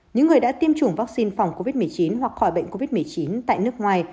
những người đã tiêm chủng vaccine phòng covid một mươi chín hoặc khỏi bệnh covid một mươi chín tại nước ngoài